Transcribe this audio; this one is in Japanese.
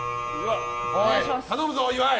頼むぞ、岩井！